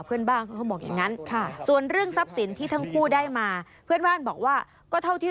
พื้นบ้านเล่าเหตุการณ์ให้ฟังกันค่ะ